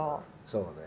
そうね。